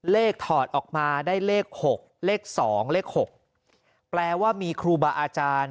ถอดออกมาได้เลข๖เลข๒เลข๖แปลว่ามีครูบาอาจารย์